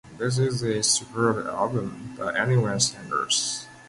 This is a superb album by anyone's standards.